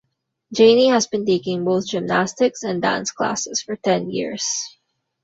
Janey has been taking both gymnastics and dance classes for ten years.